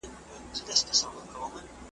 خالق دي مل سه ګرانه هیواده .